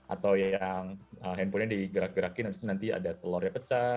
atau yang handphone nya digerak gerakin nanti ada telurnya pecah